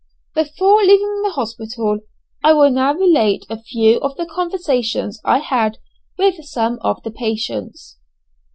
Before leaving the hospital, I will now relate a few of the conversations I had with some of the patients.